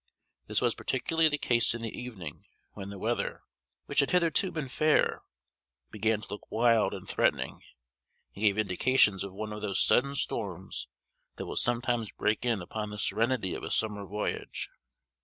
This was particularly the case in the evening, when the weather, which had hitherto been fair, began to look wild and threatening, and gave indications of one of those sudden storms that will sometimes break in upon the serenity of a summer voyage.